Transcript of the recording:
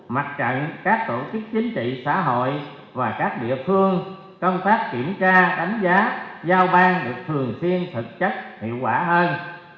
mặt trận các tổ chức chính trị xã hội và các địa phương công tác kiểm tra đánh giá giao ban được thường xuyên thực chất hiệu quả hơn